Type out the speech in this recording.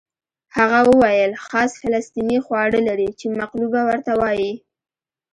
هغه وویل خاص فلسطیني خواړه لري چې مقلوبه ورته وایي.